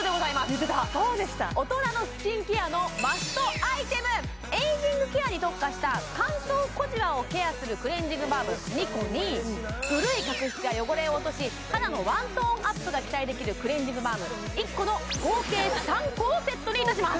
言ってた大人のスキンケアのマストアイテムエイジングケアに特化した乾燥小じわをケアするクレンジングバーム２個に古い角質や汚れを落とし肌のワントーンアップが期待できるクレンジングバーム１個の合計３個をセットにいたします